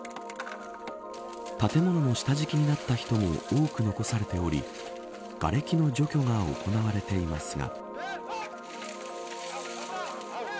建物の下敷きになった人も多く残されておりがれきの除去が行われていますが。